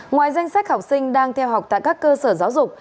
ngoài danh sách học sinh đang theo học tại các cơ sở giáo dục